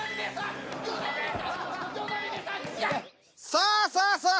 さあさあさあ